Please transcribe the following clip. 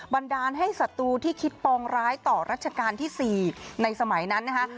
บันดาลให้ศัตรูที่คิดปองร้ายต่อรัชกาลที่๔ในสมัยนั้นนะคะ